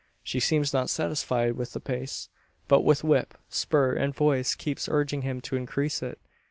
She seems not satisfied with the pace; but with whip, spur, and voice keeps urging him to increase it!